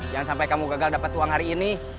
jangan sampai kamu gagal dapat uang hari ini